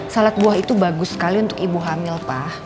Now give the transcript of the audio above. salad buah itu bagus sekali untuk ibu hamil pak